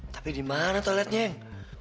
tapi di mana toiletnya